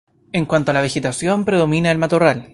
En cuanto a la vegetación predomina el matorral.